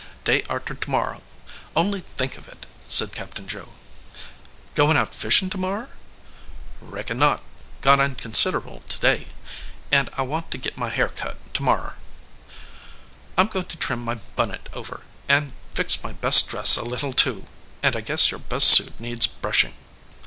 "Day arter to morrer only think of it!" said Captain Joe. "Coin out fishin to morrer?" "Reckon not; got in considerable to day, and I want to git my hair cut to morrer." "I m goin to trim my bunnit over, and fix my best dress a little, too; and I guess your best suit needs brushin ."